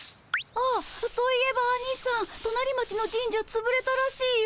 あっそういえばアニさんとなり町の神社つぶれたらしいよ。